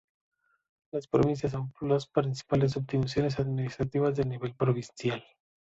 Las provincias son las principales subdivisiones administrativas del nivel provincial.